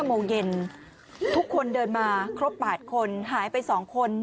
แล้วน้องป่วยเป็นเด็กออทิสติกของโรงเรียนศูนย์การเรียนรู้พอดีจังหวัดเชียงใหม่นะคะ